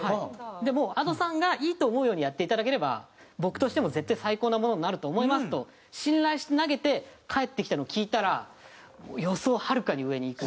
でもうＡｄｏさんがいいと思うようにやっていただければ僕としても絶対最高なものになると思いますと信頼して投げて返ってきたのを聴いたら予想をはるかに上にいく。